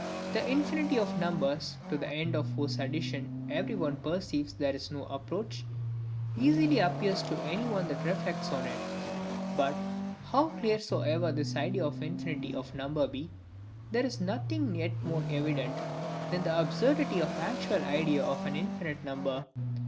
The infinity of numbers, to the end of whose addition every one perceives there is no approach, easily appears to any one that reflects on it. But, how clear soever this idea of the infinity of number be, there is nothing yet more evident than the absurdity of the actual idea of an infinite number.